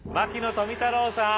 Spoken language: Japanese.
富太郎さん。